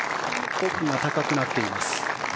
奥が高くなっています。